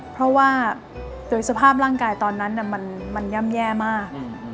เพราะว่าโดยสภาพร่างกายตอนนั้นมันย่ำแย่มาก